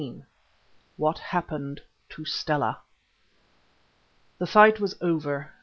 WHAT HAPPENED TO STELLA The fight was over.